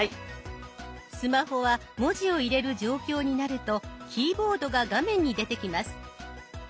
スマホは文字を入れる状況になるとキーボードが画面に出てきます。